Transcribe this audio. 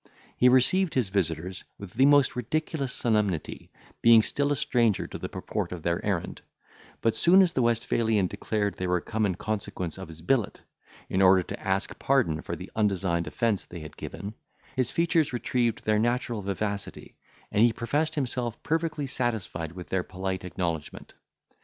He received his visitors with the most ridiculous solemnity, being still a stranger to the purport of their errand; but soon as the Westphalian declared they were come in consequence of his billet, in order to ask pardon for the undesigned offence they had given, his features retrieved their natural vivacity, and he professed himself perfectly satisfied with their polite acknowledgment.